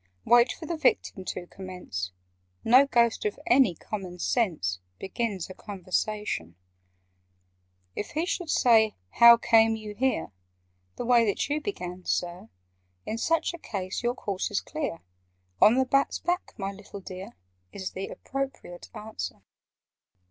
Wait for the Victim to commence: No Ghost of any common sense Begins a conversation. [Picture: Ghostly border] "If he should say 'How came you here?' (The way that you began, Sir,) In such a case your course is clear— 'On the bat's back, my little dear!' Is the appropriate answer.